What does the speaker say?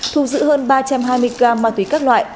thu giữ hơn ba trăm hai mươi g ma túy các loại